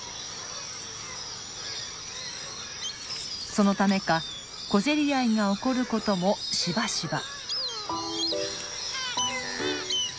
そのためか小競り合いが起こることもしばしば。